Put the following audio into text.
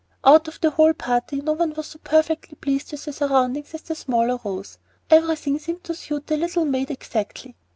Out of the whole party no one was so perfectly pleased with her surroundings as the smaller Rose. Everything seemed to suit the little maid exactly.